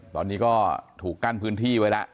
ตอนนี้ก็ถูกกั้นพื้นที่ไว้แล้ว